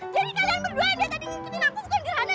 jadi kalian berdua yang dia tadi ngikutin aku bukan gerhana